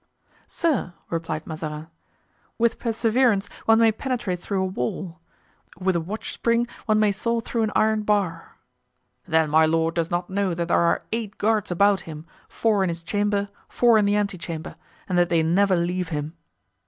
"Sir," replied Mazarin, "with perseverance one may penetrate through a wall; with a watch spring one may saw through an iron bar." "Then my lord does not know that there are eight guards about him, four in his chamber, four in the antechamber, and that they never leave him."